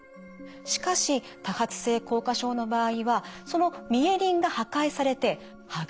しかし多発性硬化症の場合はそのミエリンが破壊されて剥がれ落ちてしまいます。